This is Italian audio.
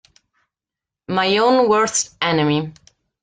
My Own Worst Enemy